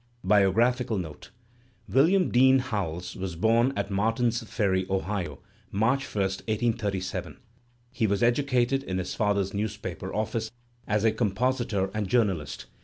BIOGRAPHICAL NOTE William Dean Howells was bom at Martin's Ferry, Ohio, March I, 1837. He was educated in his father's newspaper office as compositor and journalist.